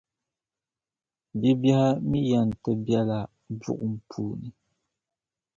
Bibɛhi mi yɛn ti bela buɣum puuni.